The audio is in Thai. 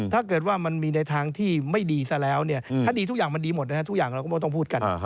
ถ้าเกิดว่ามันมีในทางที่ไม่ดีซะแล้วเนี่ยถ้าดีทุกอย่างมันดีหมดนะครับทุกอย่างเราก็ไม่ต้องพูดกัน